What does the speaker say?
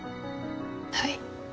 はい。